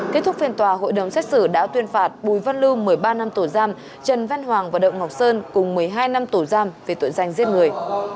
kết thúc phiên tòa hội đồng xét xử đã tuyên phạt bùi văn lưu một mươi ba năm tù giam trần văn hoàng và đậu ngọc sơn cùng một mươi hai năm tù giam về tội danh giết người